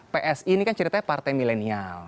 psi ini kan ceritanya partai milenial